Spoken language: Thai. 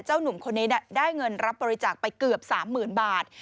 หนุ่มคนนี้ได้เงินรับบริจาคไปเกือบ๓๐๐๐บาท